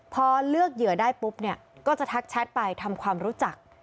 พอเลือกเหยื่อได้ปุ๊บเนี่ยก็จะทักแชทไปทำความรู้จัก